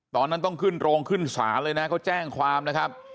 ตอนนั้นต้องขึ้นโรงขึ้นศาลเลยนะเขาแจ้งความนะครับ